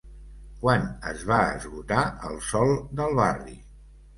Quan es va esgotar el sòl del barri?